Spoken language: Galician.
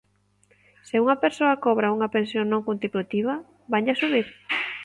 Se unha persoa cobra unha pensión non contributiva, vanlla subir?